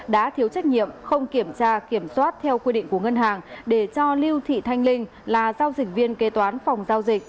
đã thiếu trách nhiệm không kiểm tra kiểm soát theo quy định của ngân hàng để cho lưu thị thanh linh là giao dịch viên kế toán phòng giao dịch